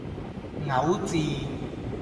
牛治